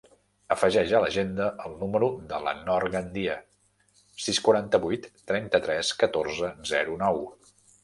Afegeix a l'agenda el número de la Nor Gandia: sis, quaranta-vuit, trenta-tres, catorze, zero, nou.